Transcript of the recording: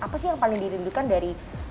apa sih yang paling dirindukan dari ramadhan ini